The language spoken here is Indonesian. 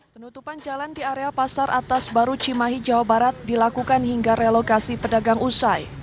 penutupan jalan di area pasar atas baru cimahi jawa barat dilakukan hingga relokasi pedagang usai